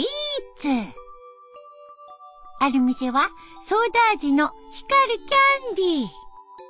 ある店はソーダ味の光るキャンデー。